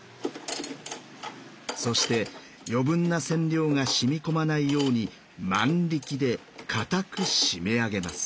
そして余分な染料が染み込まないように万力で固く締め上げます。